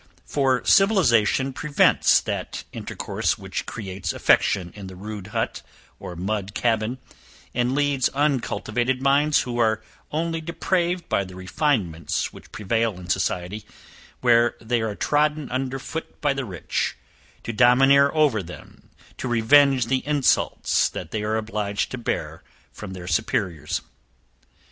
For civilization prevents that intercourse which creates affection in the rude hut, or mud cabin, and leads uncultivated minds who are only depraved by the refinements which prevail in the society, where they are trodden under foot by the rich, to domineer over them to revenge the insults that they are obliged to bear from their superiours.